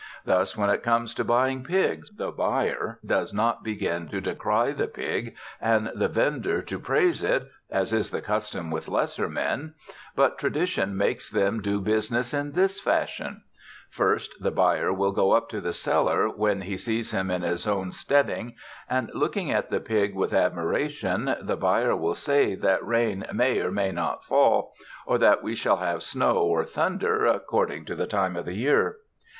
Thus, when it comes to buying pigs, the buyer does not begin to decry the pig and the vendor to praise it, as is the custom with lesser men; but tradition makes them do business in this fashion: First the buyer will go up to the seller when he sees him in his own steading, and, looking at the pig with admiration, the buyer will say that rain may or may not fall, or that we shall have snow or thunder, according to the time of the year.